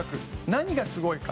何がすごいか。